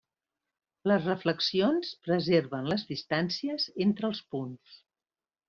Les reflexions preserven les distàncies entre els punts.